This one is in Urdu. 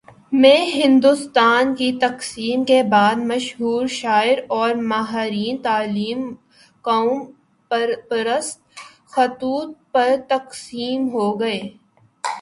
میں ہندوستان کی تقسیم کے بعد، مشہور شاعر اور ماہرین تعلیم قوم پرست خطوط پر تقسیم ہو گئے۔